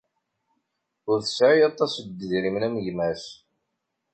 Ur tesɛi aṭas n yedrimen am gma-s.